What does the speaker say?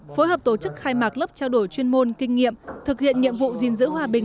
phối hợp tổ chức khai mạc lớp trao đổi chuyên môn kinh nghiệm thực hiện nhiệm vụ gìn giữ hòa bình